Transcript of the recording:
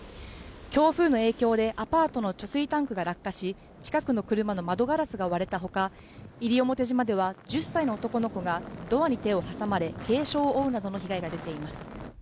強風の影響でアパートの貯水タンクが落下し近くの車の窓ガラスが割れたほか西表島では１０歳の男の子がドアに手を挟まれ軽傷を負うなどの被害が出ています